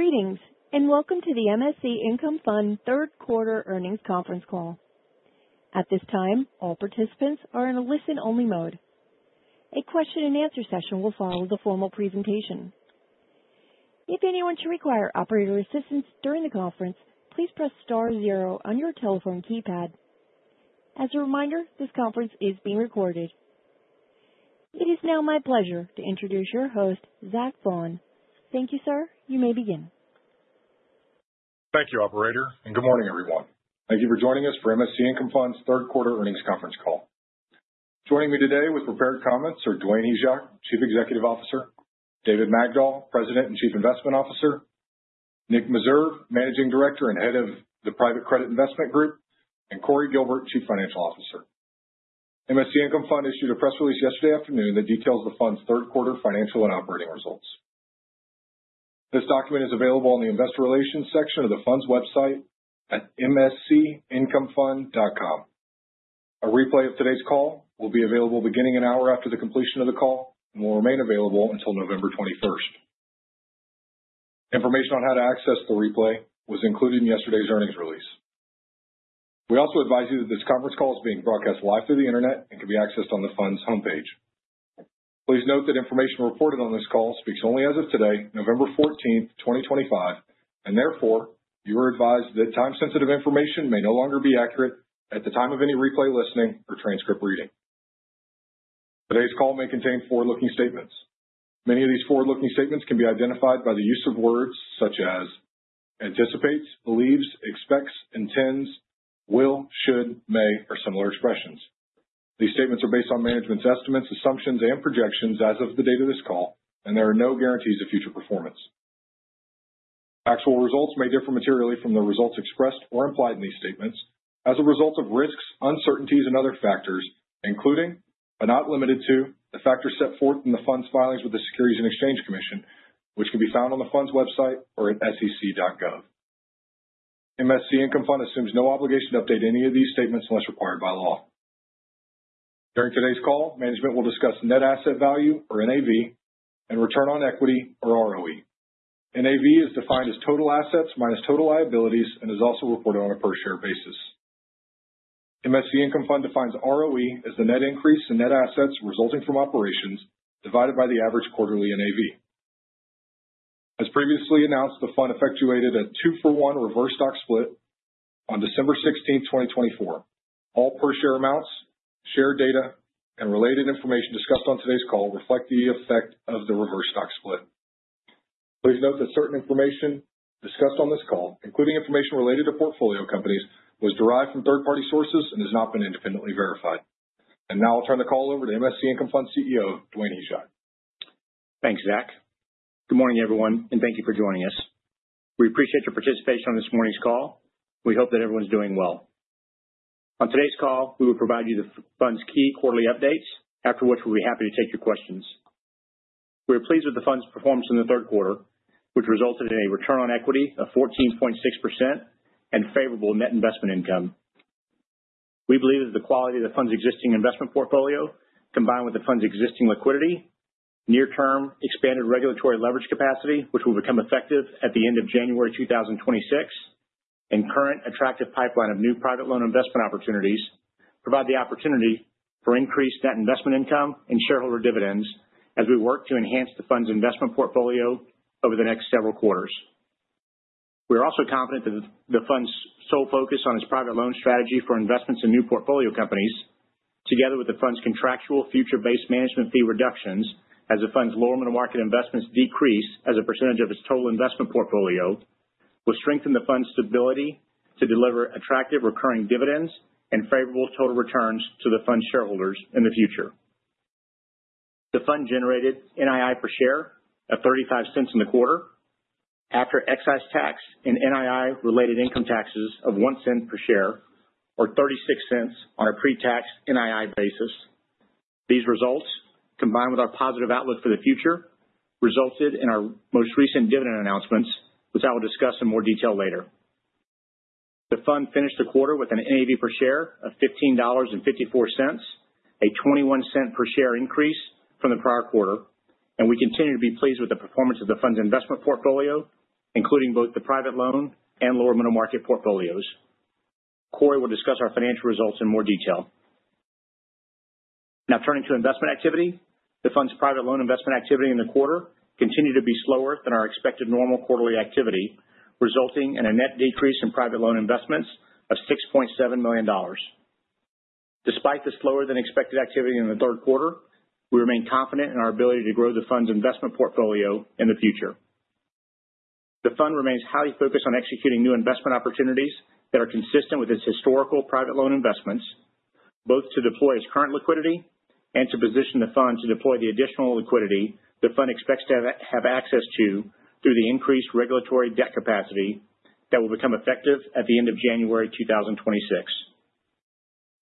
Greetings. Welcome to the MSC Income Fund third quarter earnings conference call. At this time, all participants are in listen-only mode. A question and answer session will follow the formal presentation. If anyone should require operator assistance during the conference, please press star zero on your telephone keypad. As a reminder, this conference is being recorded. It is now my pleasure to introduce your host, Zach Vaughan. Thank you, sir. You may begin. Thank you, operator. Good morning, everyone. Thank you for joining us for MSC Income Fund's third quarter earnings conference call. Joining me today with prepared comments are Dwayne Hyzak, Chief Executive Officer, David Magdol, President and Chief Investment Officer, Nick Meserve, Managing Director and Head of the Private Credit Investment Group, and Cory Gilbert, Chief Financial Officer. MSC Income Fund issued a press release yesterday afternoon that details the fund's third quarter financial and operating results. This document is available in the investor relations section of the fund's website at mscincomefund.com. A replay of today's call will be available beginning an hour after the completion of the call and will remain available until November 21st. Information on how to access the replay was included in yesterday's earnings release. We also advise you that this conference call is being broadcast live through the internet and can be accessed on the fund's homepage. Please note that information reported on this call speaks only as of today, November 14th, 2025. Therefore, you are advised that time-sensitive information may no longer be accurate at the time of any replay listening or transcript reading. Today's call may contain forward-looking statements. Many of these forward-looking statements can be identified by the use of words such as anticipates, believes, expects, intends, will, should, may, or similar expressions. These statements are based on management's estimates, assumptions, and projections as of the date of this call. There are no guarantees of future performance. Actual results may differ materially from the results expressed or implied in these statements as a result of risks, uncertainties, and other factors, including, but not limited to, the factors set forth in the fund's filings with the Securities and Exchange Commission, which can be found on the fund's website or at sec.gov. MSC Income Fund assumes no obligation to update any of these statements unless required by law. During today's call, management will discuss net asset value, or NAV, and return on equity, or ROE. NAV is defined as total assets minus total liabilities and is also reported on a per share basis. MSC Income Fund defines ROE as the net increase in net assets resulting from operations divided by the average quarterly NAV. As previously announced, the fund effectuated a two-for-one reverse stock split on December 16th, 2024. All per share amounts, share data, and related information discussed on today's call reflect the effect of the reverse stock split. Please note that certain information discussed on this call, including information related to portfolio companies, was derived from third-party sources and has not been independently verified. I'll turn the call over to MSC Income Fund Chief Executive Officer, Dwayne Hyzak. Thanks, Zach. Good morning, everyone, and thank you for joining us. We appreciate your participation on this morning's call. We hope that everyone's doing well. On today's call, we will provide you the fund's key quarterly updates. After which, we'll be happy to take your questions. We are pleased with the fund's performance in the third quarter, which resulted in a return on equity of 14.6% and favorable net investment income. We believe that the quality of the fund's existing investment portfolio, combined with the fund's existing liquidity, near-term expanded regulatory leverage capacity, which will become effective at the end of January 2026, and current attractive pipeline of new private loan investment opportunities provide the opportunity for increased net investment income and shareholder dividends as we work to enhance the fund's investment portfolio over the next several quarters. We are also confident that the fund's sole focus on its private loan strategy for investments in new portfolio companies, together with the fund's contractual future-based management fee reductions as the fund's lower middle market investments decrease as a percentage of its total investment portfolio, will strengthen the fund's stability to deliver attractive recurring dividends and favorable total returns to the fund shareholders in the future. The fund generated NII per share of $0.35 in the quarter after excise tax and NII related income taxes of $0.01 per share, or $0.36 on a pre-tax NII basis. These results, combined with our positive outlook for the future, resulted in our most recent dividend announcements, which I will discuss in more detail later. The fund finished the quarter with an NAV per share of $15.54, a $0.21 per share increase from the prior quarter. We continue to be pleased with the performance of the fund's investment portfolio, including both the private loan and lower middle market portfolios. Cory will discuss our financial results in more detail. Now turning to investment activity. The fund's private loan investment activity in the quarter continued to be slower than our expected normal quarterly activity, resulting in a net decrease in private loan investments of $6.7 million. Despite the slower than expected activity in the third quarter, we remain confident in our ability to grow the fund's investment portfolio in the future. The fund remains highly focused on executing new investment opportunities that are consistent with its historical private loan investments, both to deploy its current liquidity and to position the fund to deploy the additional liquidity the fund expects to have access to through the increased regulatory debt capacity that will become effective at the end of January 2026.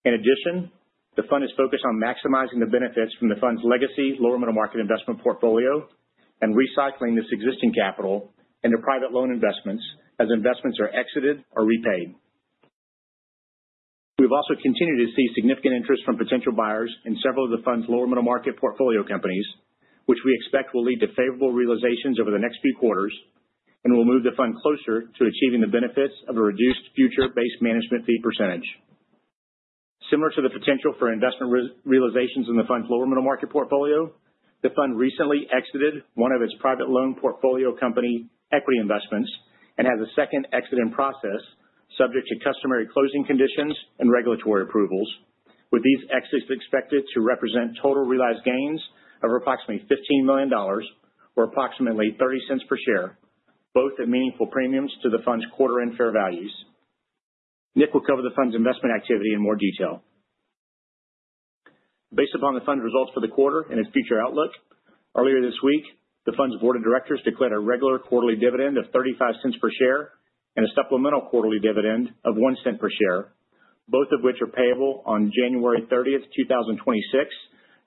In addition, the fund is focused on maximizing the benefits from the fund's legacy Lower Middle Market investment portfolio and recycling this existing capital into private loan investments as investments are exited or repaid. We've also continued to see significant interest from potential buyers in several of the fund's Lower Middle Market portfolio companies, which we expect will lead to favorable realizations over the next few quarters, and will move the fund closer to achieving the benefits of a reduced future base management fee percentage. Similar to the potential for investment realizations in the fund's Lower Middle Market portfolio, the fund recently exited one of its private loan portfolio company equity investments, and has a second exit in process, subject to customary closing conditions and regulatory approvals. With these exits expected to represent total realized gains of approximately $15 million or approximately $0.30 per share, both at meaningful premiums to the fund's quarter-end fair values. Nick will cover the fund's investment activity in more detail. Based upon the fund results for the quarter and its future outlook, earlier this week, the fund's board of directors declared a regular quarterly dividend of $0.35 per share and a supplemental quarterly dividend of $0.01 per share, both of which are payable on January 30th, 2026,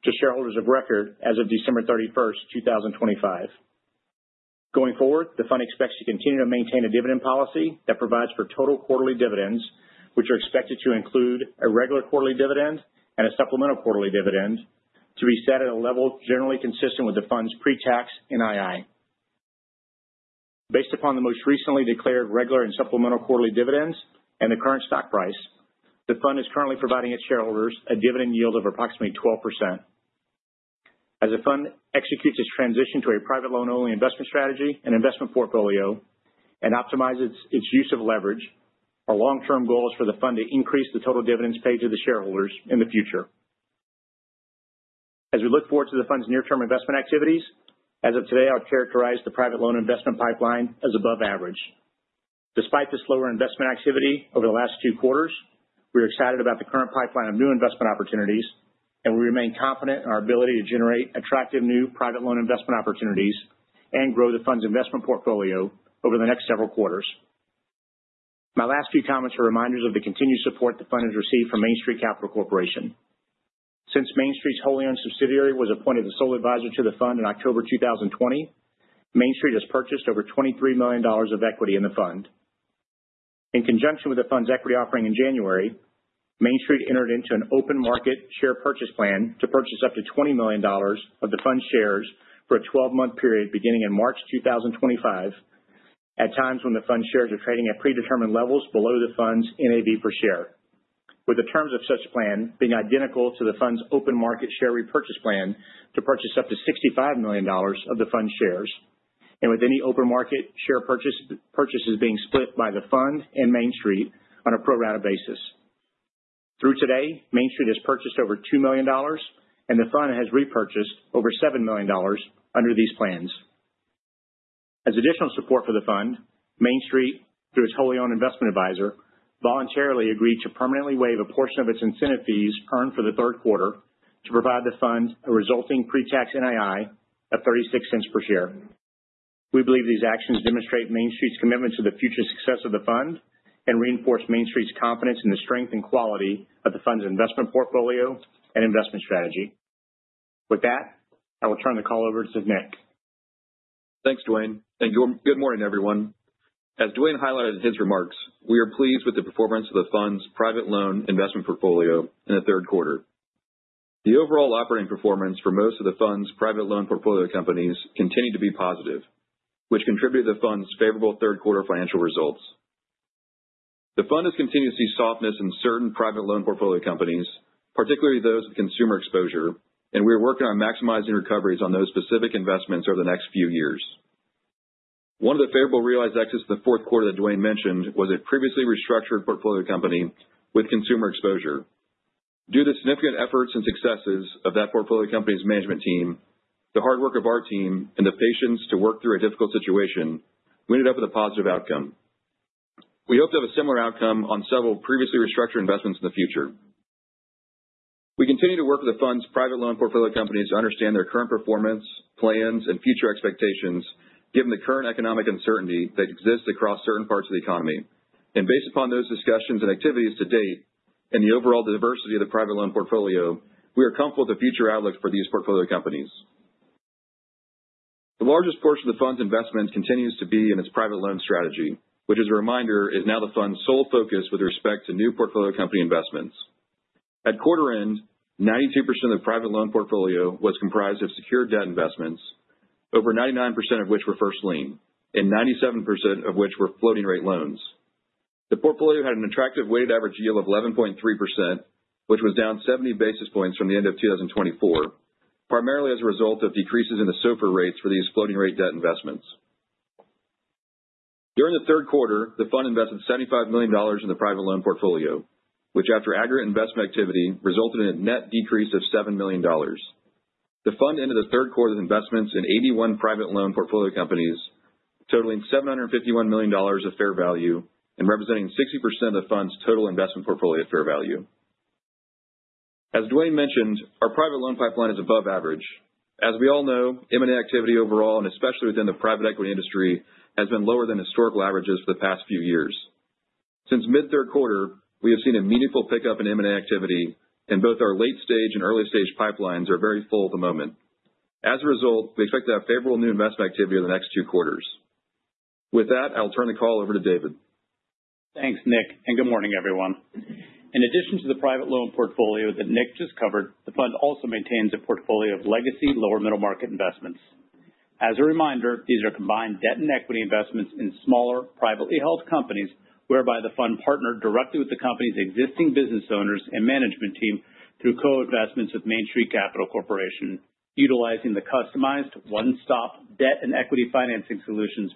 to shareholders of record as of December 31st, 2025. Going forward, the fund expects to continue to maintain a dividend policy that provides for total quarterly dividends, which are expected to include a regular quarterly dividend and a supplemental quarterly dividend to be set at a level generally consistent with the fund's pre-tax NII. Based upon the most recently declared regular and supplemental quarterly dividends and the current stock price, the fund is currently providing its shareholders a dividend yield of approximately 12%. As the fund executes its transition to a private loan-only investment strategy and investment portfolio and optimizes its use of leverage, our long-term goal is for the fund to increase the total dividends paid to the shareholders in the future. As we look forward to the fund's near-term investment activities, as of today, I would characterize the private loan investment pipeline as above average. Despite the slower investment activity over the last two quarters, we are excited about the current pipeline of new investment opportunities, and we remain confident in our ability to generate attractive new private loan investment opportunities and grow the fund's investment portfolio over the next several quarters. My last few comments are reminders of the continued support the fund has received from Main Street Capital Corporation. Since Main Street's wholly-owned subsidiary was appointed the sole advisor to the fund in October 2020, Main Street has purchased over $23 million of equity in the fund. In conjunction with the fund's equity offering in January, Main Street entered into an open market share purchase plan to purchase up to $20 million of the fund shares for a 12-month period beginning in March 2025, at times when the fund shares are trading at predetermined levels below the fund's NAV per share. With the terms of such plan being identical to the fund's open market share repurchase plan to purchase up to $65 million of the fund shares, and with any open market share purchases being split by the fund and Main Street on a pro rata basis. Through today, Main Street has purchased over $2 million, and the fund has repurchased over $7 million under these plans. As additional support for the fund, Main Street, through its wholly-owned investment adviser, voluntarily agreed to permanently waive a portion of its incentive fees earned for the third quarter to provide the fund a resulting pre-tax NII of $0.36 per share. We believe these actions demonstrate Main Street's commitment to the future success of the fund and reinforce Main Street's confidence in the strength and quality of the fund's investment portfolio and investment strategy. With that, I will turn the call over to Nick. Thanks, Dwayne, and good morning, everyone. As Dwayne highlighted in his remarks, we are pleased with the performance of the fund's private loan investment portfolio in the third quarter. The overall operating performance for most of the fund's private loan portfolio companies continued to be positive, which contributed to the fund's favorable third quarter financial results. The fund has continued to see softness in certain private loan portfolio companies, particularly those with consumer exposure, and we are working on maximizing recoveries on those specific investments over the next few years. One of the favorable realized exits in the fourth quarter that Dwayne mentioned was a previously restructured portfolio company with consumer exposure. Due to the significant efforts and successes of that portfolio company's management team, the hard work of our team, and the patience to work through a difficult situation, we ended up with a positive outcome. We hope to have a similar outcome on several previously restructured investments in the future. We continue to work with the fund's private loan portfolio companies to understand their current performance, plans, and future expectations, given the current economic uncertainty that exists across certain parts of the economy. Based upon those discussions and activities to date and the overall diversity of the private loan portfolio, we are comfortable with the future outlook for these portfolio companies. The largest portion of the fund's investment continues to be in its private loan strategy, which as a reminder, is now the fund's sole focus with respect to new portfolio company investments. At quarter end, 92% of the private loan portfolio was comprised of secured debt investments, over 99% of which were first lien, and 97% of which were floating rate loans. The portfolio had an attractive weighted average yield of 11.3%, which was down 70 basis points from the end of 2024, primarily as a result of decreases in the SOFR rates for these floating rate debt investments. During the third quarter, the fund invested $75 million in the private loan portfolio, which after aggregate investment activity, resulted in a net decrease of $7 million. The fund ended the third quarter with investments in 81 private loan portfolio companies, totaling $751 million of fair value and representing 60% of the fund's total investment portfolio fair value. As Dwayne mentioned, our private loan pipeline is above average. As we all know, M&A activity overall, and especially within the private equity industry, has been lower than historical averages for the past few years. Since mid-third quarter, we have seen a meaningful pickup in M&A activity, and both our late-stage and early-stage pipelines are very full at the moment. As a result, we expect to have favorable new investment activity over the next two quarters. With that, I'll turn the call over to David. Thanks, Nick, and good morning, everyone. In addition to the private loan portfolio that Nick just covered, the fund also maintains a portfolio of legacy lower middle market investments. As a reminder, these are combined debt and equity investments in smaller, privately held companies, whereby the fund partnered directly with the company's existing business owners and management team through co-investments with Main Street Capital Corporation, utilizing the customized one-stop debt and equity financing solutions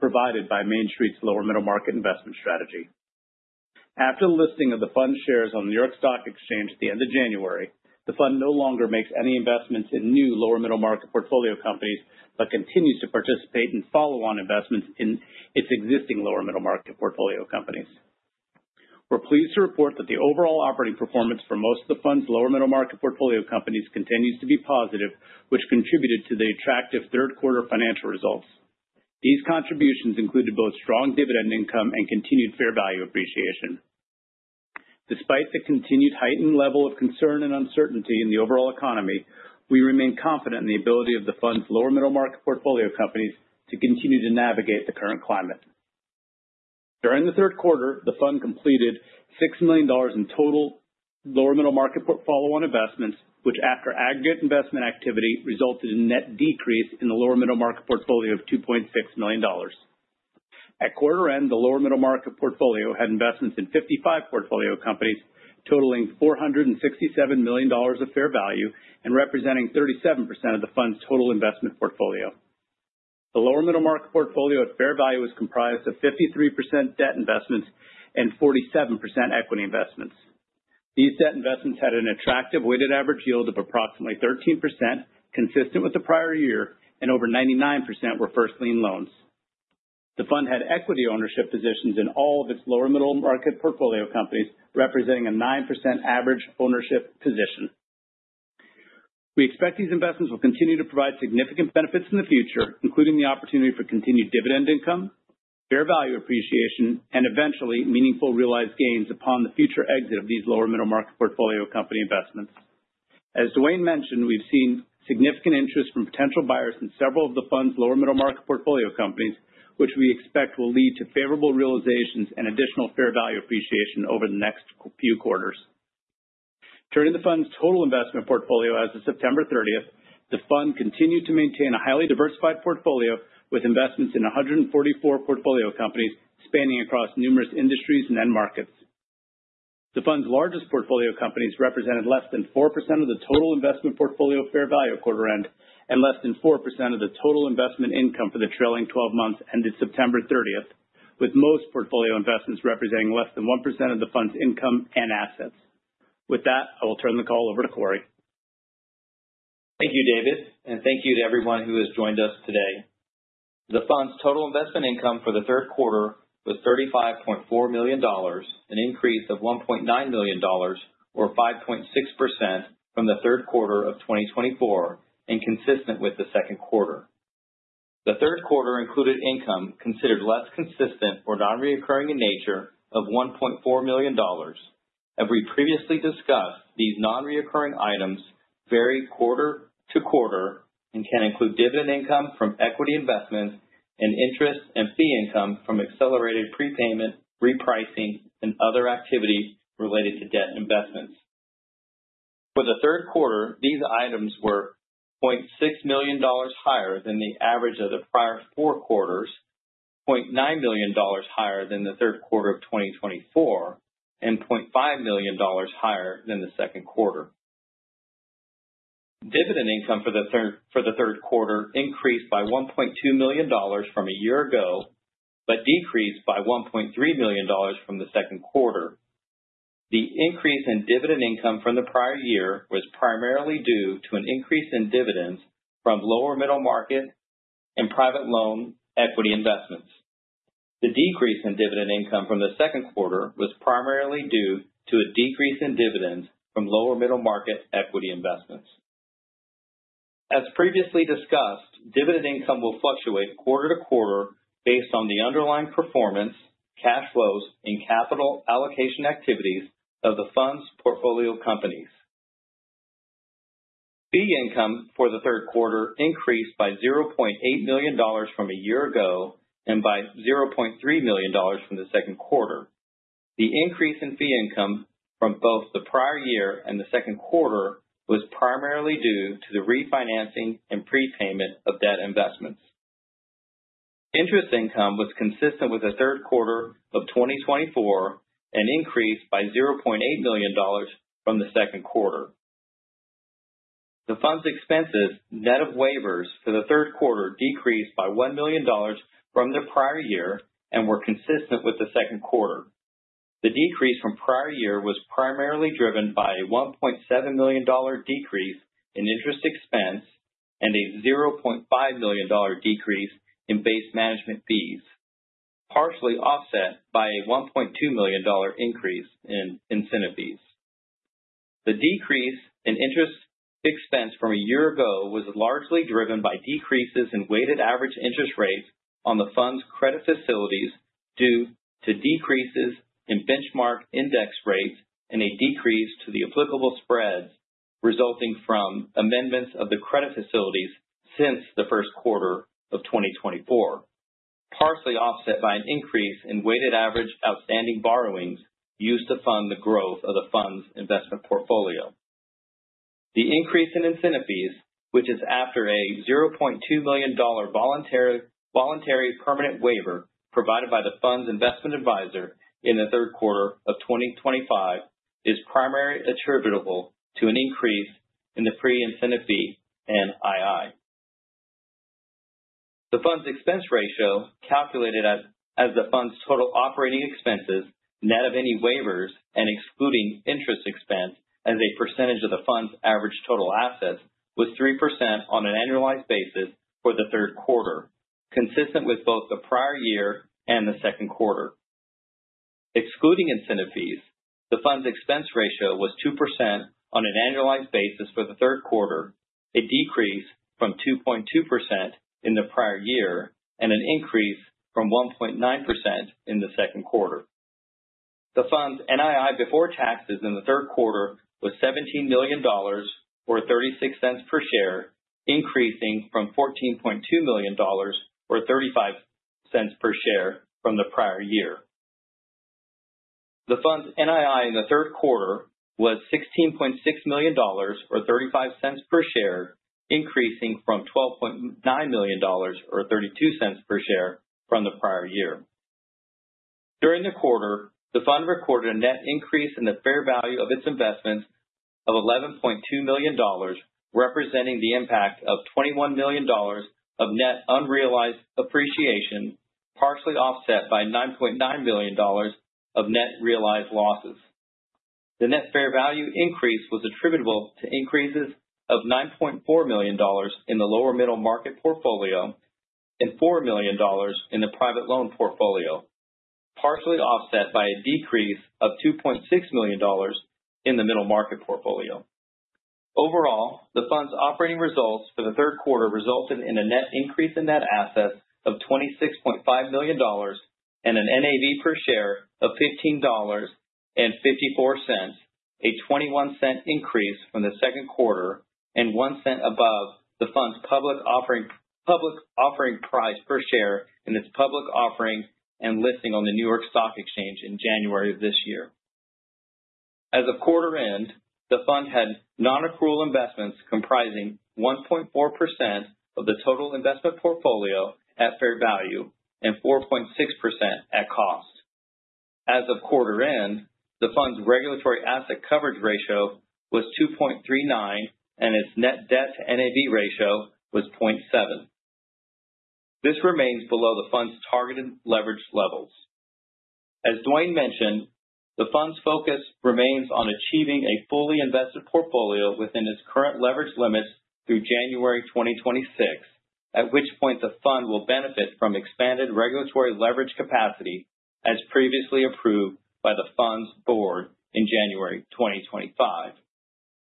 provided by Main Street's lower middle market investment strategy. After listing of the fund shares on the New York Stock Exchange at the end of January, the fund no longer makes any investments in new lower middle market portfolio companies, but continues to participate in follow-on investments in its existing lower middle market portfolio companies. We're pleased to report that the overall operating performance for most of the fund's Lower Middle Market portfolio companies continues to be positive, which contributed to the attractive third quarter financial results. These contributions included both strong dividend income and continued fair value appreciation. Despite the continued heightened level of concern and uncertainty in the overall economy, we remain confident in the ability of the fund's Lower Middle Market portfolio companies to continue to navigate the current climate. During the third quarter, the fund completed $6 million in total Lower Middle Market follow-on investments, which after aggregate investment activity, resulted in net decrease in the Lower Middle Market portfolio of $2.6 million. At quarter end, the Lower Middle Market portfolio had investments in 55 portfolio companies totaling $467 million of fair value and representing 37% of the fund's total investment portfolio. The Lower Middle Market portfolio at fair value is comprised of 53% debt investments and 47% equity investments. These debt investments had an attractive weighted average yield of approximately 13%, consistent with the prior year, and over 99% were first lien loans. The fund had equity ownership positions in all of its Lower Middle Market portfolio companies, representing a 9% average ownership position. As Dwayne mentioned, we've seen significant interest from potential buyers in several of the fund's Lower Middle Market portfolio companies, which we expect will lead to favorable realizations and additional fair value appreciation over the next few quarters. Turning to the fund's total investment portfolio as of September 30th, the fund continued to maintain a highly diversified portfolio with investments in 144 portfolio companies spanning across numerous industries and end markets. The fund's largest portfolio companies represented less than 4% of the total investment portfolio fair value at quarter end, and less than 4% of the total investment income for the trailing 12 months ended September 30th, with most portfolio investments representing less than 1% of the fund's income and assets. With that, I will turn the call over to Cory. Thank you, David, and thank you to everyone who has joined us today. The fund's total investment income for the third quarter was $35.4 million, an increase of $1.9 million or 5.6% from the third quarter of 2024 and consistent with the second quarter. The third quarter included income considered less consistent or non-reoccurring in nature of $1.4 million. As we previously discussed, these non-reoccurring items vary quarter to quarter and can include dividend income from equity investments and interest and fee income from accelerated prepayment, repricing, and other activities related to debt investments. For the third quarter, these items were $0.6 million higher than the average of the prior four quarters, $0.9 million higher than the third quarter of 2024, and $0.5 million higher than the second quarter. Dividend income for the third quarter increased by $1.2 million from a year ago, decreased by $1.3 million from the second quarter. The increase in dividend income from the prior year was primarily due to an increase in dividends from lower middle market and private loan equity investments. The decrease in dividend income from the second quarter was primarily due to a decrease in dividends from lower middle market equity investments. As previously discussed, dividend income will fluctuate quarter to quarter based on the underlying performance, cash flows, and capital allocation activities of the fund's portfolio companies. Fee income for the third quarter increased by $0.8 million from a year ago and by $0.3 million from the second quarter. The increase in fee income from both the prior year and the second quarter was primarily due to the refinancing and prepayment of debt investments. Interest income was consistent with the third quarter of 2024 and increased by $0.8 million from the second quarter. The fund's expenses, net of waivers for the third quarter decreased by $1 million from the prior year and were consistent with the second quarter. The decrease from prior year was primarily driven by a $1.7 million decrease in interest expense and a $0.5 million decrease in base management fees, partially offset by a $1.2 million increase in incentive fees. The decrease in interest expense from a year ago was largely driven by decreases in weighted average interest rates on the fund's credit facilities due to decreases in benchmark index rates and a decrease to the applicable spreads resulting from amendments of the credit facilities since the first quarter of 2024, partially offset by an increase in weighted average outstanding borrowings used to fund the growth of the fund's investment portfolio. The increase in incentive fees, which is after a $0.2 million voluntary permanent waiver provided by the fund's investment advisor in the third quarter of 2025, is primarily attributable to an increase in the pre-incentive fee and NII. The fund's expense ratio, calculated as the fund's total operating expenses, net of any waivers and excluding interest expense as a percentage of the fund's average total assets, was 3% on an annualized basis for the third quarter, consistent with both the prior year and the second quarter. Excluding incentive fees, the fund's expense ratio was 2% on an annualized basis for the third quarter, a decrease from 2.2% in the prior year, and an increase from 1.9% in the second quarter. The fund's NII before taxes in the third quarter was $17 million, or $0.36 per share, increasing from $14.2 million or $0.35 per share from the prior year. The fund's NII in the third quarter was $16.6 million, or $0.35 per share, increasing from $12.9 million or $0.32 per share from the prior year. During the quarter, the fund recorded a net increase in the fair value of its investments of $11.2 million, representing the impact of $21 million of net unrealized appreciation, partially offset by $9.9 million of net realized losses. The net fair value increase was attributable to increases of $9.4 million in the lower middle market portfolio and $4 million in the private loan portfolio, partially offset by a decrease of $2.6 million in the middle market portfolio. Overall, the fund's operating results for the third quarter resulted in a net increase in net assets of $26.5 million and an NAV per share of $15.54, a $0.21 increase from the second quarter and $0.01 above the fund's public offering price per share in its public offering and listing on the New York Stock Exchange in January of this year. As of quarter end, the fund had non-accrual investments comprising 1.4% of the total investment portfolio at fair value and 4.6% at cost. As of quarter end, the fund's regulatory asset coverage ratio was 2.39 and its net debt to NAV ratio was 0.7. This remains below the fund's targeted leverage levels. As Dwayne mentioned, the fund's focus remains on achieving a fully invested portfolio within its current leverage limits through January 2026, at which point the fund will benefit from expanded regulatory leverage capacity as previously approved by the fund's board in January 2025.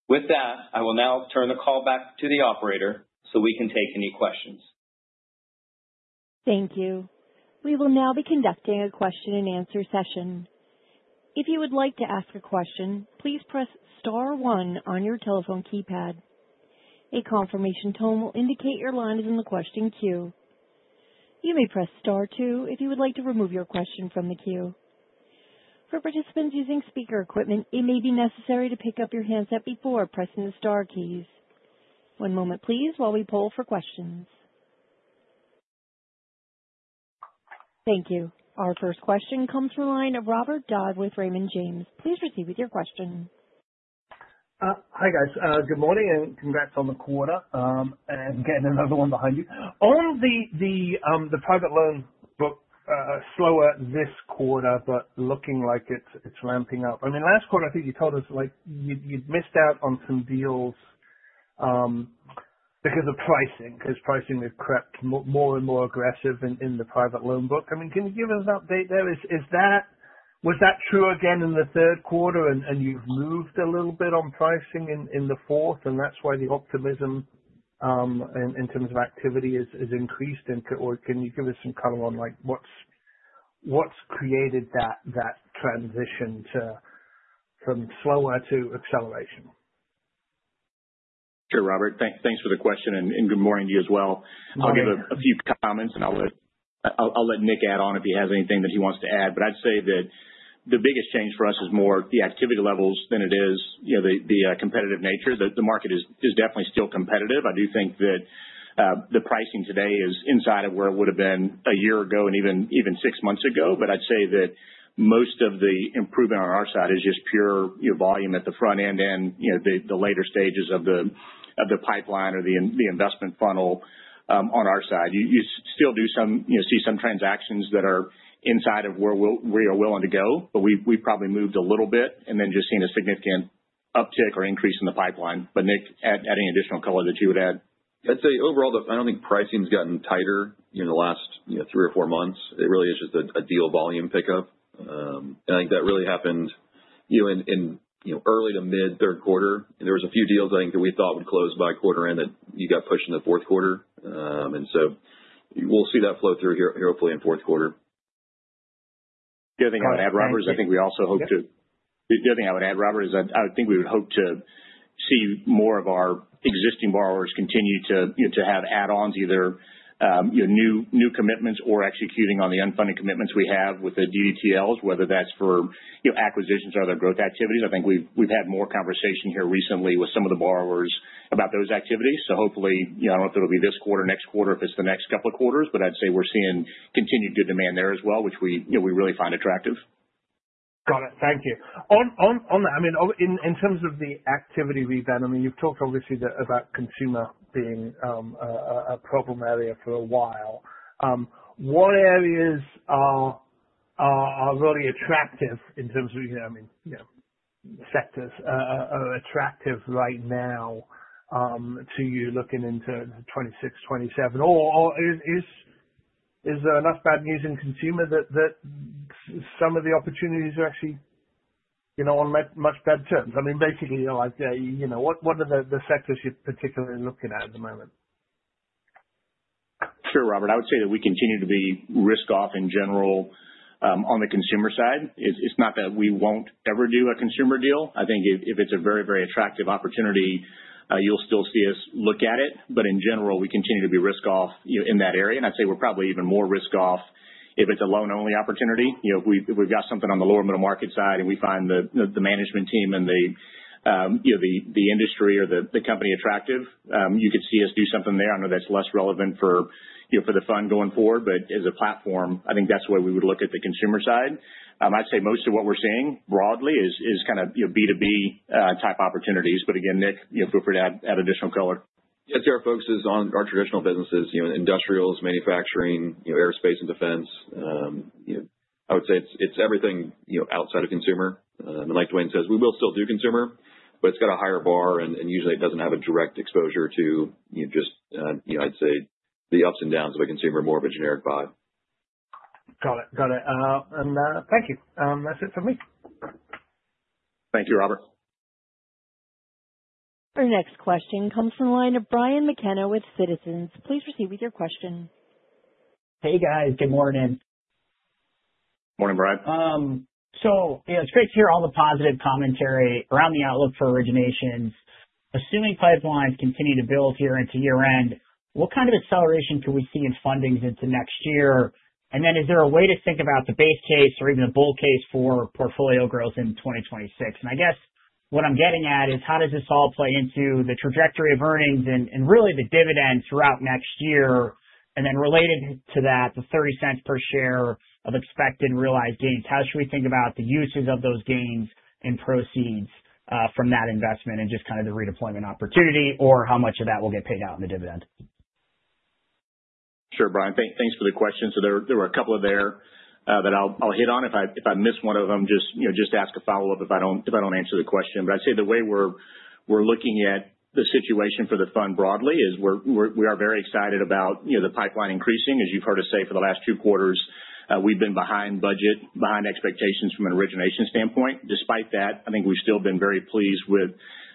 With that, I will now turn the call back to the operator so we can take any questions. Thank you. We will now be conducting a question and answer session. If you would like to ask a question, please press star one on your telephone keypad. A confirmation tone will indicate your line is in the question queue. You may press star two if you would like to remove your question from the queue. For participants using speaker equipment, it may be necessary to pick up your handset before pressing the star keys. One moment please while we poll for questions. Thank you. Our first question comes from the line of Robert Dodd with Raymond James. Please proceed with your question. Hi, guys. Good morning, congrats on the quarter, getting another one behind you. On the private loans book, slower this quarter, looking like it's ramping up. I mean, last quarter, I think you told us you'd missed out on some deals, because of pricing, because pricing had crept more and more aggressive in the private loan book. Can you give us an update there? Was that true again in the third quarter you've moved a little bit on pricing in the fourth, that's why the optimism, in terms of activity is increased? Can you give us some color on what's created that transition from slower to acceleration? Sure, Robert. Thanks for the question, and good morning to you as well. Morning. I'll give a few comments, and I'll let Nick add on if he has anything that he wants to add. I'd say that the biggest change for us is more the activity levels than it is the competitive nature. The market is definitely still competitive. I do think that the pricing today is inside of where it would have been a year ago and even six months ago. I'd say that most of the improvement on our side is just pure volume at the front end and the later stages of the pipeline or the investment funnel on our side. You still do see some transactions that are inside of where we are willing to go, but we've probably moved a little bit and then just seen a significant uptick or increase in the pipeline. Nick, any additional color that you would add? I'd say overall, I don't think pricing's gotten tighter in the last three or four months. It really is just a deal volume pickup. I think that really happened in early to mid third quarter. There was a few deals, I think, that we thought would close by quarter end that you got pushed into fourth quarter. We'll see that flow through here hopefully in fourth quarter. The other thing I would add, Robert, is I think we would hope to see more of our existing borrowers continue to have add-ons, either new commitments or executing on the unfunded commitments we have with the DDTLs, whether that's for acquisitions or other growth activities. I think we've had more conversation here recently with some of the borrowers about those activities. Hopefully, I don't know if it'll be this quarter, next quarter, if it's the next couple of quarters, but I'd say we're seeing continued good demand there as well, which we really find attractive. Got it. Thank you. In terms of the activity we've done, you've talked obviously about consumer being a problem area for a while. What areas are really attractive in terms of sectors are attractive right now to you looking into 2026, 2027? Is there enough bad news in consumer that some of the opportunities are actually on much bad terms? Basically, what are the sectors you're particularly looking at the moment? Sure, Robert. I would say that we continue to be risk-off in general on the consumer side. It's not that we won't ever do a consumer deal. I think if it's a very attractive opportunity, you'll still see us look at it. In general, we continue to be risk-off in that area. I'd say we're probably even more risk-off if it's a loan-only opportunity. If we've got something on the lower middle market side and we find the management team and the industry or the company attractive, you could see us do something there. I know that's less relevant for the fund going forward, but as a platform, I think that's the way we would look at the consumer side. I'd say most of what we're seeing broadly is B2B type opportunities. Again, Nick, feel free to add additional color. Yes. Our focus is on our traditional businesses, industrials, manufacturing, aerospace and defense. I would say it's everything outside of consumer. Like Dwayne says, we will still do consumer, but it's got a higher bar, and usually it doesn't have a direct exposure to, I'd say, the ups and downs of a consumer, more of a generic vibe. Got it. Thank you. That's it for me. Thank you, Robert. Our next question comes from the line of Brian McKenna with Citizens. Please proceed with your question. Hey, guys. Good morning. Morning, Brian. It's great to hear all the positive commentary around the outlook for originations. Assuming pipelines continue to build here into year-end, what kind of acceleration could we see in fundings into next year? Is there a way to think about the base case or even the bull case for portfolio growth in 2026? I guess what I'm getting at is how does this all play into the trajectory of earnings and really the dividend throughout next year? Related to that, the $0.30 per share of expected realized gains. How should we think about the uses of those gains and proceeds from that investment and just kind of the redeployment opportunity, or how much of that will get paid out in the dividend? Sure, Brian, thanks for the question. There were a couple there that I'll hit on. If I miss one of them, just ask a follow-up if I don't answer the question. I'd say the way we're looking at the situation for the fund broadly is we are very excited about the pipeline increasing. As you've heard us say for the last two quarters, we've been behind budget, behind expectations from an origination standpoint. Despite that, I think we've still been very pleased with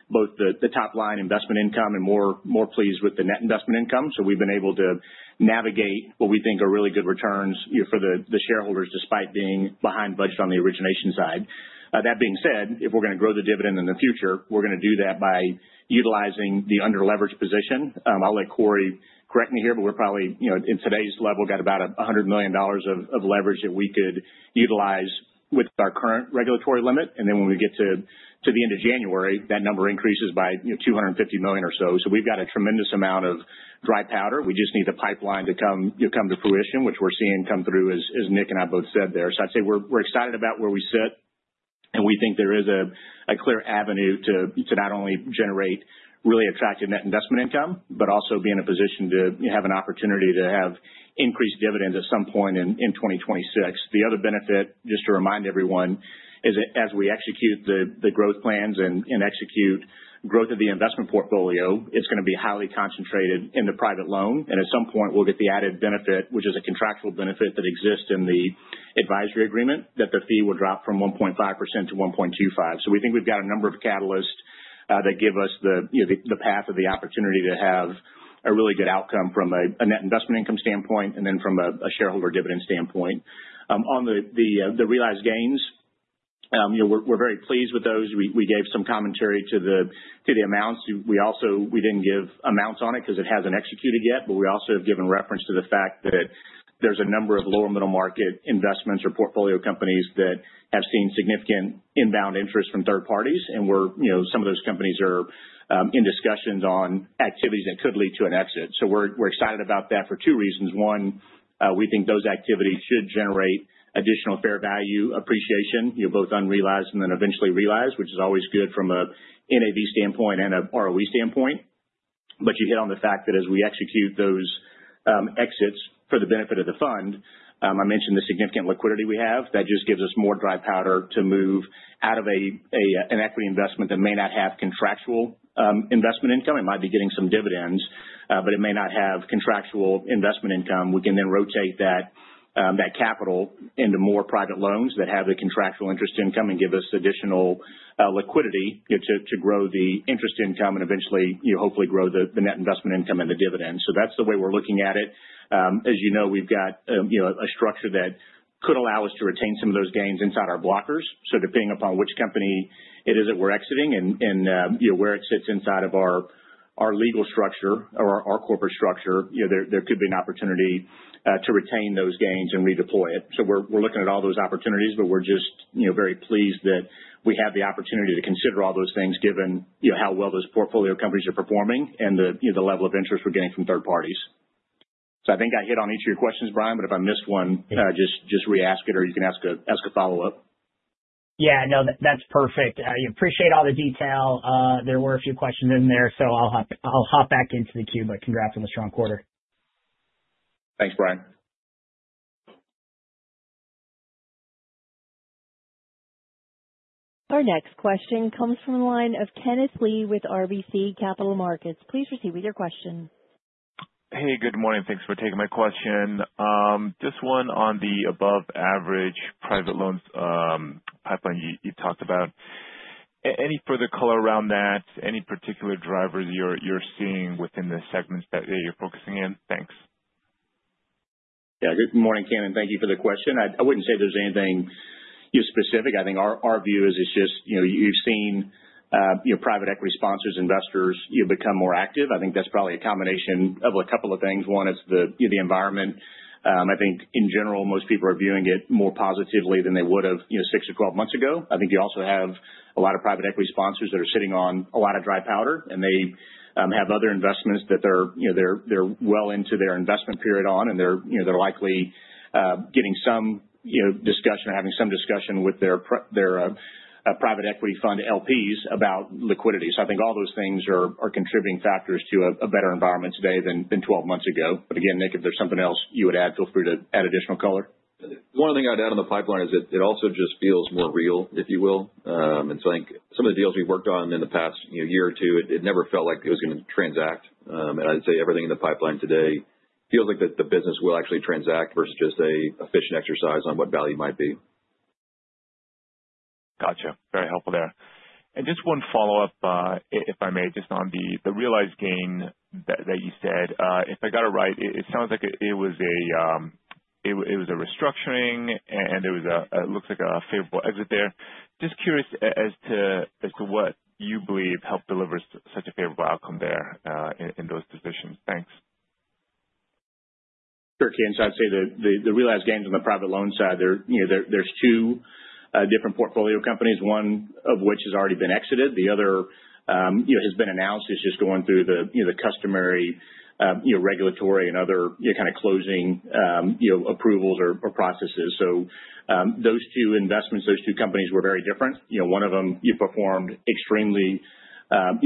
both the top line investment income and more pleased with the net investment income. We've been able to navigate what we think are really good returns for the shareholders, despite being behind budget on the origination side. That being said, if we're going to grow the dividend in the future, we're going to do that by utilizing the under-leveraged position. I'll let Cory correct me here, but we're probably, in today's level, got about $100 million of leverage that we could utilize with our current regulatory limit. When we get to the end of January, that number increases by $250 million or so. We've got a tremendous amount of dry powder. We just need the pipeline to come to fruition, which we're seeing come through, as Nick and I both said there. I'd say we're excited about where we sit, and we think there is a clear avenue to not only generate really attractive net investment income but also be in a position to have an opportunity to have increased dividends at some point in 2026. The other benefit, just to remind everyone, is that as we execute the growth plans and execute growth of the investment portfolio, it's going to be highly concentrated in the private loan. At some point, we'll get the added benefit, which is a contractual benefit that exists in the Advisory Agreement, that the fee will drop from 1.5% to 1.25. We think we've got a number of catalysts that give us the path of the opportunity to have a really good outcome from a net investment income standpoint and then from a shareholder dividend standpoint. On the realized gains, we're very pleased with those. We gave some commentary to the amounts. We didn't give amounts on it because it hasn't executed yet. We also have given reference to the fact that there's a number of lower middle market investments or portfolio companies that have seen significant inbound interest from third parties. Some of those companies are in discussions on activities that could lead to an exit. We're excited about that for two reasons. One, we think those activities should generate additional fair value appreciation, both unrealized and then eventually realized, which is always good from a NAV standpoint and a ROE standpoint. You hit on the fact that as we execute those exits for the benefit of the fund, I mentioned the significant liquidity we have. That just gives us more dry powder to move out of an equity investment that may not have contractual investment income. It might be getting some dividends, but it may not have contractual investment income. We can rotate that capital into more private loans that have the contractual interest income and give us additional liquidity to grow the interest income and eventually, hopefully grow the net investment income and the dividends. That's the way we're looking at it. As you know, we've got a structure that could allow us to retain some of those gains inside our blockers. Depending upon which company it is that we're exiting and where it sits inside of our legal structure or our corporate structure, there could be an opportunity to retain those gains and redeploy it. We're looking at all those opportunities, but we're just very pleased that we have the opportunity to consider all those things given how well those portfolio companies are performing and the level of interest we're getting from third parties. I think I hit on each of your questions, Brian, if I missed one, just re-ask it or you can ask a follow-up. Yeah, no, that's perfect. I appreciate all the detail. There were a few questions in there, I'll hop back into the queue, congrats on the strong quarter. Thanks, Brian. Our next question comes from the line of Kenneth Lee with RBC Capital Markets. Please proceed with your question. Hey, good morning. Thanks for taking my question. Just one on the above-average private loans pipeline you talked about. Any further color around that? Any particular drivers you're seeing within the segments that you're focusing in? Thanks. Yeah. Good morning, Ken. Thank you for the question. I wouldn't say there's anything specific. I think our view is it's just you've seen private equity sponsors, investors become more active. I think that's probably a combination of a couple of things. One is the environment. I think in general, most people are viewing it more positively than they would have six to 12 months ago. I think you also have a lot of private equity sponsors that are sitting on a lot of dry powder, and they have other investments that they're well into their investment period on, and they're likely getting some discussion or having some discussion with their private equity fund LPs about liquidity. I think all those things are contributing factors to a better environment today than 12 months ago. Again, Nick, if there's something else you would add, feel free to add additional color. One thing I'd add on the pipeline is it also just feels more real, if you will. I think some of the deals we've worked on in the past year or two, it never felt like it was going to transact. I'd say everything in the pipeline today feels like the business will actually transact versus just an efficient exercise on what value might be. Got you. Very helpful there. Just one follow-up, if I may, just on the realized gain that you said. If I got it right, it sounds like it was a restructuring and it looks like a favorable exit there. Just curious as to what you believe helped deliver such a favorable outcome there in those positions. Thanks. Sure, Ken. I'd say the realized gains on the private loan side, there's two different portfolio companies, one of which has already been exited. The other has been announced. It's just going through the customary regulatory and other kind of closing approvals or processes. Those two investments, those two companies were very different. One of them performed extremely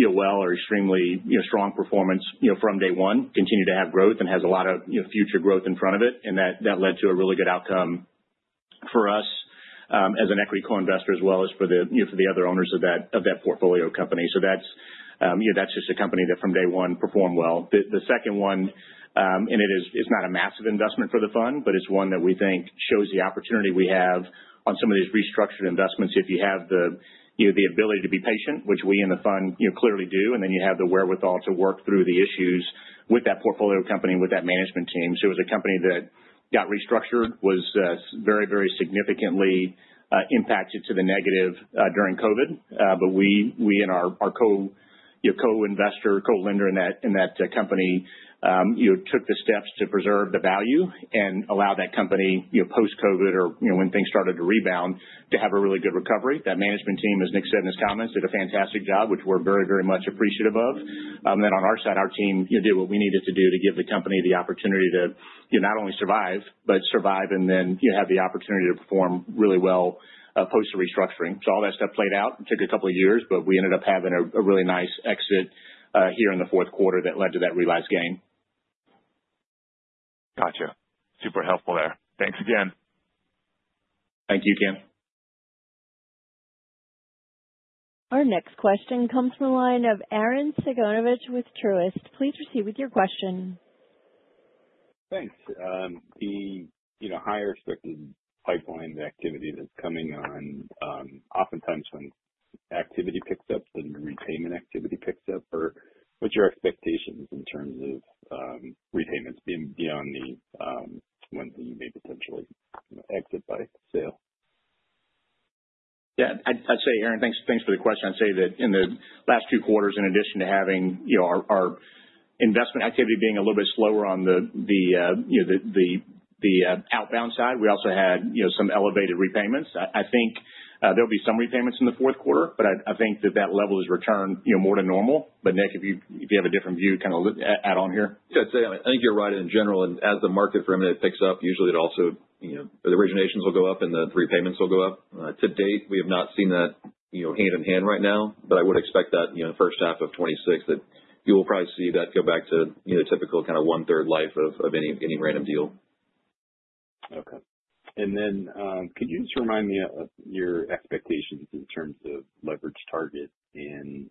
well or extremely strong performance from day one, continued to have growth and has a lot of future growth in front of it. That led to a really good outcome for us as an equity co-investor as well as for the other owners of that portfolio company. That's just a company that from day one performed well. The second one, and it is not a massive investment for the fund, but it's one that we think shows the opportunity we have on some of these restructured investments if you have the ability to be patient, which we in the fund clearly do, and then you have the wherewithal to work through the issues with that portfolio company and with that management team. It was a company that got restructured, was very, very significantly impacted to the negative during COVID. We and our co-investor, co-lender in that company took the steps to preserve the value and allow that company, post-COVID or when things started to rebound, to have a really good recovery. That management team, as Nick said in his comments, did a fantastic job, which we're very, very much appreciative of. On our side, our team did what we needed to do to give the company the opportunity to not only survive, but survive and then have the opportunity to perform really well post the restructuring. All that stuff played out. It took a couple of years, but we ended up having a really nice exit here in the fourth quarter that led to that realized gain. Got you. Super helpful there. Thanks again. Thank you, Ken. Our next question comes from the line of Arren Cyganovich with Truist. Please proceed with your question. Thanks. The higher expected pipeline activity that's coming on oftentimes when activity picks up, repayment activity picks up. What's your expectations in terms of repayments beyond the ones that you may potentially exit by sale? Yeah. Arren, thanks for the question. I'd say that in the last two quarters, in addition to having our investment activity being a little bit slower on the outbound side, we also had some elevated repayments. I think there'll be some repayments in the fourth quarter, I think that that level has returned more to normal. Nick, if you have a different view, kind of add on here. Yeah. I'd say I think you're right in general. As the market for a minute picks up, usually the originations will go up and the repayments will go up. To date, we have not seen that hand in hand right now, I would expect that in the first half of 2026, that you will probably see that go back to typical kind of one-third life of any random deal. Okay. Could you just remind me of your expectations in terms of leverage target and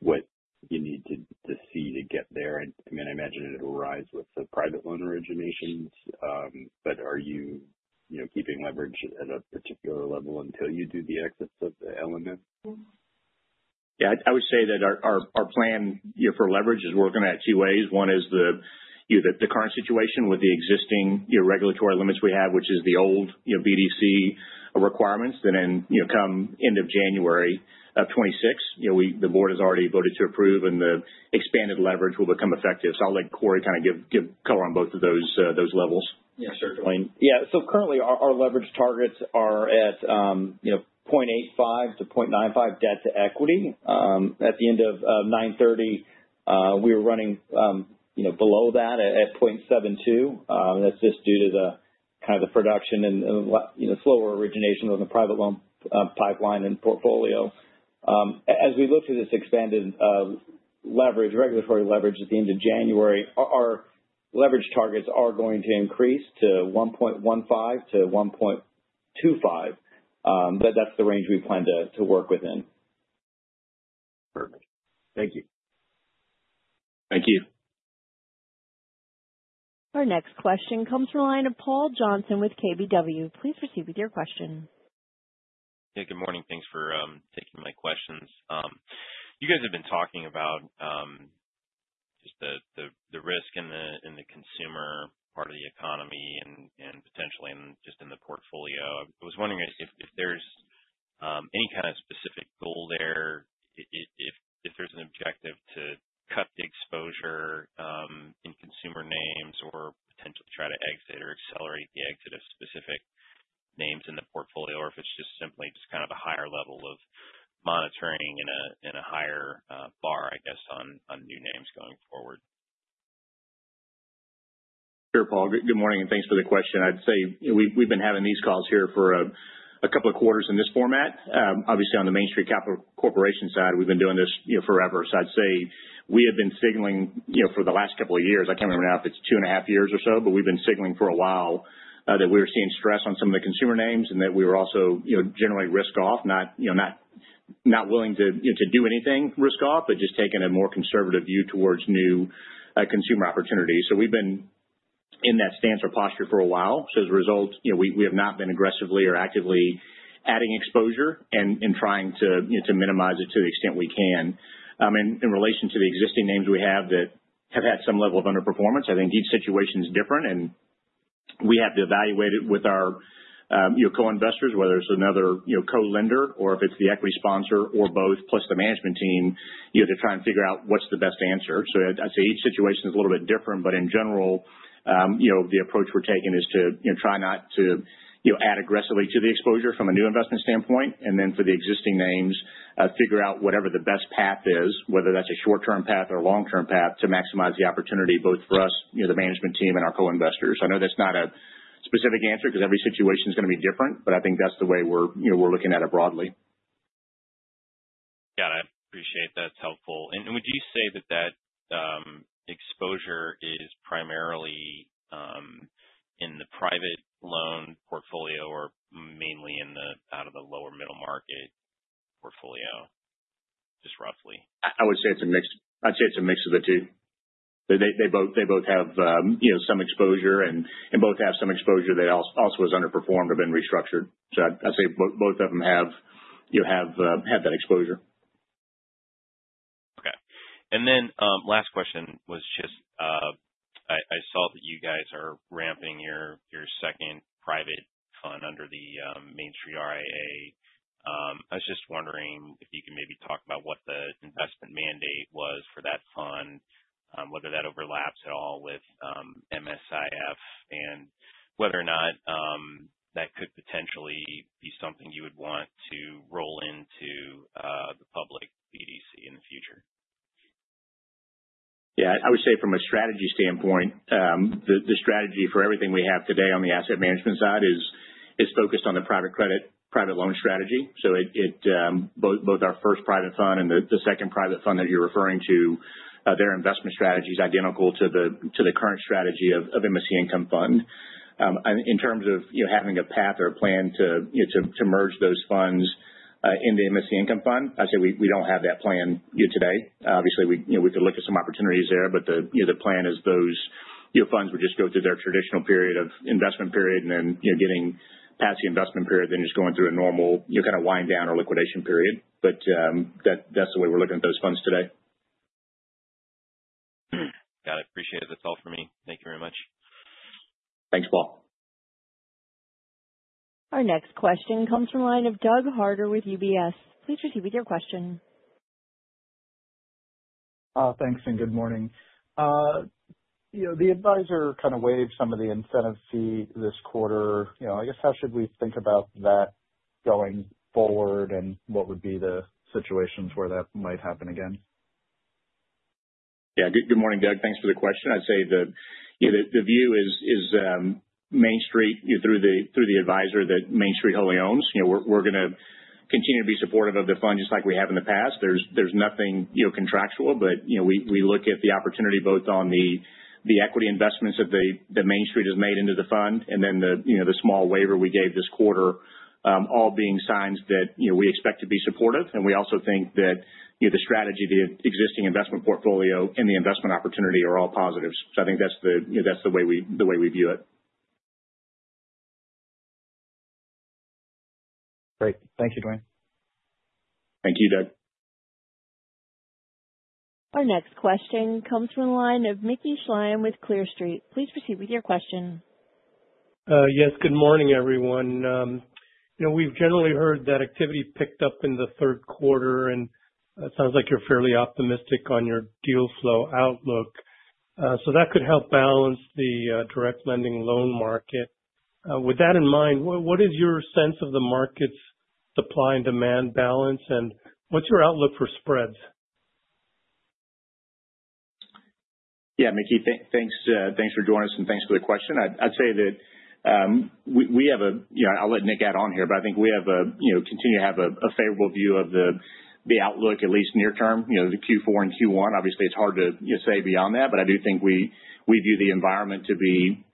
what you need to see to get there? I imagine it'll rise with the private loan originations, but are you keeping leverage at a particular level until you do the exits of the LMM? Yeah. I would say that our plan for leverage is working at two ways. One is the current situation with the existing regulatory limits we have, which is the old BDC requirements that come end of January 2026. The board has already voted to approve, and the expanded leverage will become effective. I'll let Cory kind of give color on both of those levels. Yeah. Sure, Dwayne. Yeah. Currently our leverage targets are at 0.85 to 0.95 debt to equity. At the end of 9/30, we were running below that at 0.72. That's just due to the kind of the production and slower origination on the private loan pipeline and portfolio. As we look through this expanded leverage, regulatory leverage at the end of January, our leverage targets are going to increase to 1.15 to 1.25. That's the range we plan to work within. Perfect. Thank you. Thank you. Our next question comes from the line of Paul Johnson with KBW. Please proceed with your question. Hey, good morning. Thanks for taking my questions. You guys have been talking about just the risk in the consumer part of the economy and potentially just in the portfolio. I was wondering if there's any kind of specific goal there, if there's an objective to cut the exposure in consumer names or potentially try to exit or accelerate the exit of specific names in the portfolio, or if it's just simply just kind of a higher level of monitoring and a higher bar, I guess, on new names going forward. Sure, Paul. Good morning, and thanks for the question. I'd say we've been having these calls here for a couple of quarters in this format. Obviously on the Main Street Capital Corporation side, we've been doing this forever. I'd say we have been signaling for the last couple of years. I can't remember now if it's two and a half years or so, but we've been signaling for a while that we were seeing stress on some of the consumer names and that we were also generally risk off, not willing to do anything risk off, but just taking a more conservative view towards new consumer opportunities. We've been in that stance or posture for a while. As a result, we have not been aggressively or actively adding exposure and trying to minimize it to the extent we can. In relation to the existing names we have that have had some level of underperformance, I think each situation is different, and we have to evaluate it with our co-investors, whether it's another co-lender or if it's the equity sponsor or both, plus the management team to try and figure out what's the best answer. I'd say each situation is a little bit different, but in general, the approach we're taking is to try not to add aggressively to the exposure from a new investment standpoint, and then for the existing names, figure out whatever the best path is, whether that's a short-term path or a long-term path to maximize the opportunity both for us, the management team, and our co-investors. I know that's not a specific answer because every situation is going to be different, but I think that's the way we're looking at it broadly. Got it. Appreciate that. It's helpful. Would you say that exposure is primarily in the private loan portfolio or mainly out of the Lower Middle Market portfolio, just roughly? I would say it's a mix of the two. They both have some exposure, and both have some exposure that also has underperformed or been restructured. I'd say both of them have had that exposure. Okay. Last question was just, I saw that you guys are ramping your second private fund under the Main Street RIA. I was just wondering if you could maybe talk about what the investment mandate was for that fund, whether that overlaps at all with MSIF and whether or not that could potentially be something you would want to roll into the public BDC in the future. Yeah. I would say from a strategy standpoint, the strategy for everything we have today on the asset management side is focused on the private credit, private loan strategy. Both our first private fund and the second private fund that you're referring to, their investment strategy is identical to the current strategy of MSC Income Fund. In terms of having a path or a plan to merge those funds into MSC Income Fund, I'd say we don't have that plan yet today. Obviously, we could look at some opportunities there, the plan is those funds would just go through their traditional period of investment period and then getting past the investment period, then just going through a normal kind of wind down or liquidation period. That's the way we're looking at those funds today. Got it. Appreciate it. That's all for me. Thank you very much. Thanks, Paul. Our next question comes from the line of Doug Harter with UBS. Please proceed with your question. Thanks and good morning. The advisor kind of waived some of the incentive fee this quarter. I guess, how should we think about that going forward, and what would be the situations where that might happen again? Yeah. Good morning, Doug. Thanks for the question. I'd say the view is Main Street through the advisor that Main Street wholly owns. We're going to continue to be supportive of the Fund just like we have in the past. There's nothing contractual, but we look at the opportunity both on the equity investments that Main Street has made into the Fund and then the small waiver we gave this quarter all being signs that we expect to be supportive. We also think that the strategy, the existing investment portfolio, and the investment opportunity are all positives. I think that's the way we view it. Great. Thank you, Dwayne. Thank you, Doug. Our next question comes from the line of Mickey Schleien with Clear Street. Please proceed with your question. Yes. Good morning, everyone. We've generally heard that activity picked up in the third quarter, and it sounds like you're fairly optimistic on your deal flow outlook. That could help balance the direct lending loan market. With that in mind, what is your sense of the market's supply and demand balance, and what's your outlook for spreads? Yeah, Mickey. Thanks for joining us, and thanks for the question. I'll let Nick add on here. I think we continue to have a favorable view of the outlook, at least near term, the Q4 and Q1. Obviously, it's hard to say beyond that. I do think we view the environment to be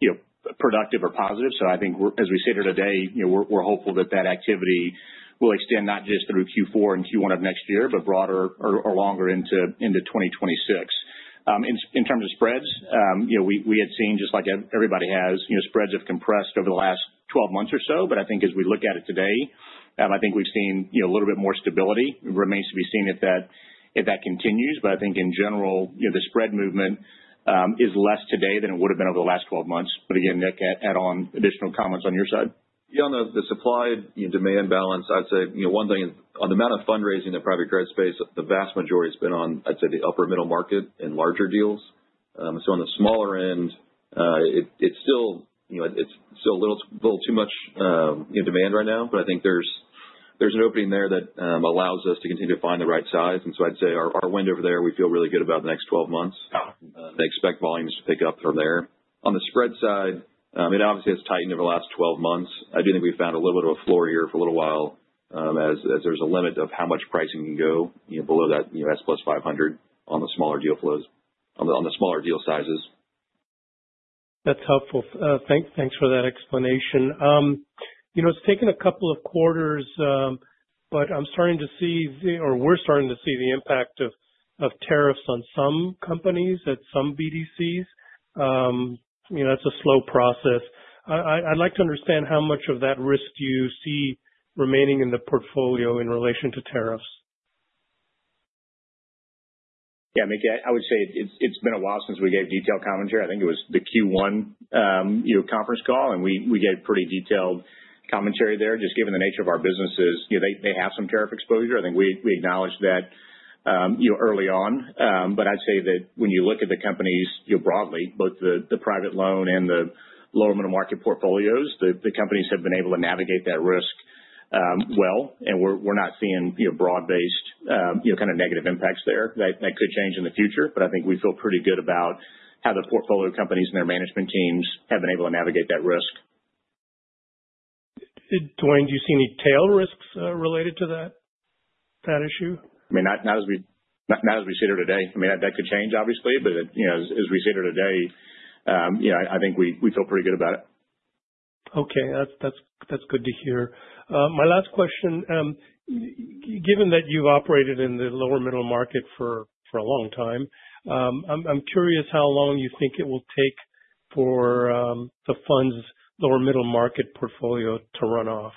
productive or positive. I think as we sit here today, we're hopeful that that activity will extend not just through Q4 and Q1 of next year, but broader or longer into 2026. In terms of spreads, we had seen just like everybody has, spreads have compressed over the last 12 months or so. I think as we look at it today, and I think we've seen a little bit more stability. It remains to be seen if that continues. I think in general, the spread movement is less today than it would have been over the last 12 months. Again, Nick, add on additional comments on your side. On the supply and demand balance, I'd say one thing. On the amount of fundraising in the private credit space, the vast majority has been on, I'd say, the upper middle market and larger deals. On the smaller end, it's still a little too much demand right now. I think there's an opening there that allows us to continue to find the right size. I'd say our wind over there, we feel really good about the next 12 months. They expect volumes to pick up from there. On the spread side, it obviously has tightened over the last 12 months. I do think we found a little bit of a floor here for a little while, as there's a limit of how much pricing can go below that S plus 500 on the smaller deal sizes. That's helpful. Thanks for that explanation. It's taken a couple of quarters, we're starting to see the impact of tariffs on some companies at some BDCs. That's a slow process. I'd like to understand how much of that risk do you see remaining in the portfolio in relation to tariffs. Mickey, I would say it's been a while since we gave detailed commentary. I think it was the Q1 conference call, we gave pretty detailed commentary there. Just given the nature of our businesses, they have some tariff exposure. I think we acknowledged that early on. I'd say that when you look at the companies broadly, both the private loan and the Lower Middle Market portfolios, the companies have been able to navigate that risk well, we're not seeing broad-based kind of negative impacts there. That could change in the future, I think we feel pretty good about how the portfolio companies and their management teams have been able to navigate that risk. Dwayne, do you see any tail risks related to that issue? Not as we sit here today. That could change, obviously, but as we sit here today, I think we feel pretty good about it. Okay. That's good to hear. My last question. Given that you've operated in the Lower Middle Market for a long time, I'm curious how long you think it will take for the fund's Lower Middle Market portfolio to run off.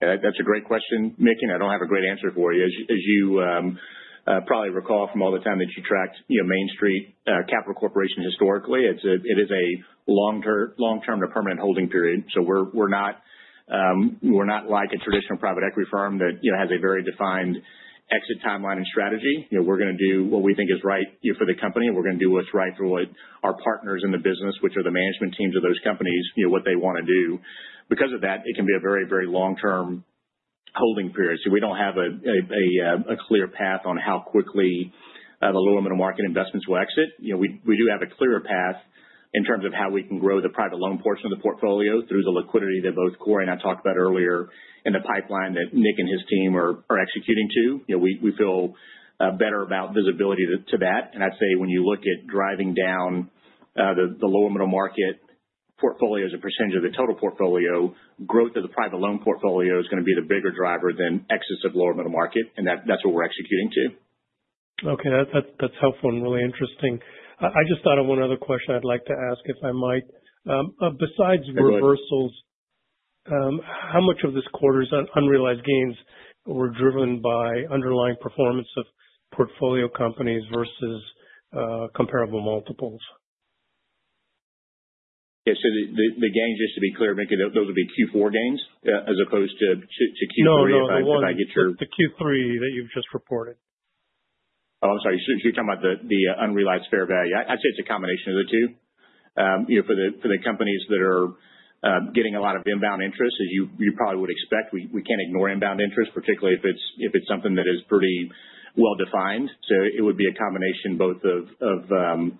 That's a great question, Mickey. I don't have a great answer for you. As you probably recall from all the time that you tracked Main Street Capital Corporation historically, it is a long-term to permanent holding period. We're not like a traditional private equity firm that has a very defined exit timeline and strategy. We're going to do what we think is right for the company, and we're going to do what's right for our partners in the business, which are the management teams of those companies, what they want to do. Because of that, it can be a very long-term holding period. We don't have a clear path on how quickly the Lower Middle Market investments will exit. We do have a clearer path in terms of how we can grow the private loan portion of the portfolio through the liquidity that both Cory and I talked about earlier in the pipeline that Nick and his team are executing to. We feel better about visibility to that. I'd say when you look at driving down the Lower Middle Market portfolio as a % of the total portfolio, growth of the private loan portfolio is going to be the bigger driver than exits of Lower Middle Market, and that's what we're executing to. Okay. That's helpful and really interesting. I just thought of one other question I'd like to ask, if I might. Go ahead. Besides reversals, how much of this quarter's unrealized gains were driven by underlying performance of portfolio companies versus comparable multiples? Yeah. The gains, just to be clear, Mickey, those would be Q4 gains as opposed to Q3- No. The Q3 that you've just reported. Oh, I'm sorry. You're talking about the unrealized fair value. I'd say it's a combination of the two. For the companies that are getting a lot of inbound interest, as you probably would expect, we can't ignore inbound interest, particularly if it's something that is pretty well-defined. It would be a combination both of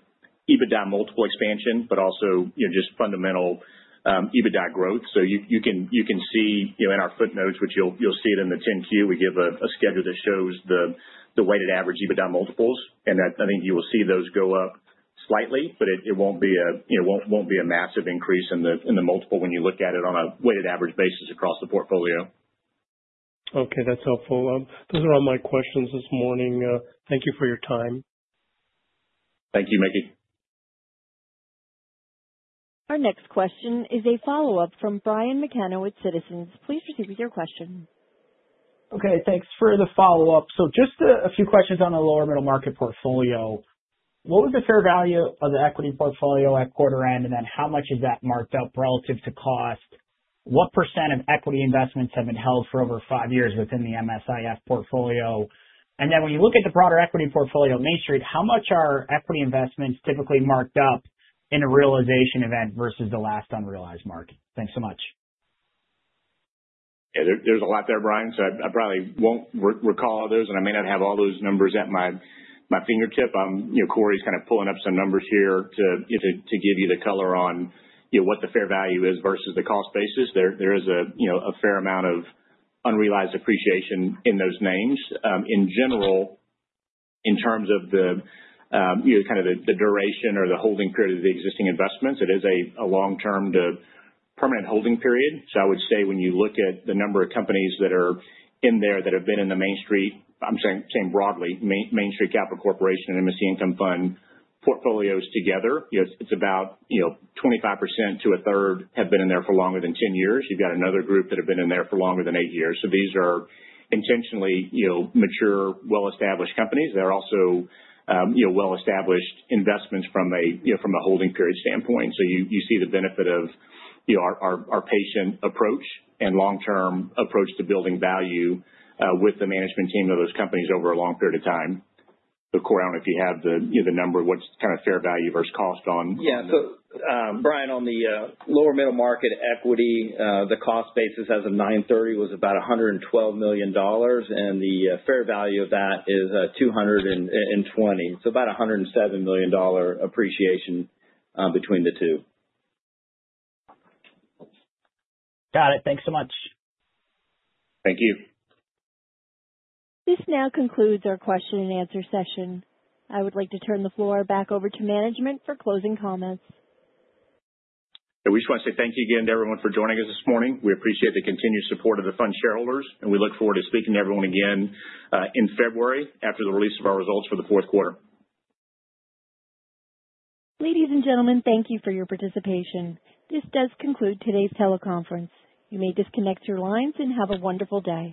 EBITDA multiple expansion, but also just fundamental EBITDA growth. You can see in our footnotes, which you'll see it in the 10-Q, we give a schedule that shows the weighted average EBITDA multiples. I think you will see those go up slightly, but it won't be a massive increase in the multiple when you look at it on a weighted average basis across the portfolio. Okay, that's helpful. Those are all my questions this morning. Thank you for your time. Thank you, Mickey. Our next question is a follow-up from Brian McKenna with Citizens. Please proceed with your question. Okay, thanks for the follow-up. Just a few questions on the lower middle market portfolio. What was the fair value of the equity portfolio at quarter end, and then how much is that marked up relative to cost? What % of equity investments have been held for over five years within the MSIF portfolio? Then when you look at the broader equity portfolio, Main Street, how much are equity investments typically marked up in a realization event versus the last unrealized market? Thanks so much. Yeah, there's a lot there, Brian, I probably won't recall all those, and I may not have all those numbers at my fingertip. Cory's kind of pulling up some numbers here to give you the color on what the fair value is versus the cost basis. There is a fair amount of unrealized appreciation in those names. In general, in terms of the kind of the duration or the holding period of the existing investments, it is a long-term to permanent holding period. I would say when you look at the number of companies that are in there that have been in the Main Street, I'm saying broadly, Main Street Capital Corporation and MSC Income Fund portfolios together, it's about 25% to a third have been in there for longer than 10 years. You've got another group that have been in there for longer than eight years. These are intentionally mature, well-established companies. They're also well-established investments from a holding period standpoint. You see the benefit of our patient approach and long-term approach to building value, with the management team of those companies over a long period of time. Cory, I don't know if you have the number of what's kind of fair value versus cost. Yeah. Brian, on the lower middle market equity, the cost basis as of 9/30 was about $112 million. The fair value of that is $220 million. About $107 million appreciation between the two. Got it. Thanks so much. Thank you. This now concludes our question and answer session. I would like to turn the floor back over to management for closing comments. We just want to say thank you again to everyone for joining us this morning. We appreciate the continued support of the Fund shareholders, and we look forward to speaking to everyone again in February after the release of our results for the fourth quarter. Ladies and gentlemen, thank you for your participation. This does conclude today's teleconference. You may disconnect your lines and have a wonderful day.